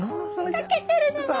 描けてるじゃない！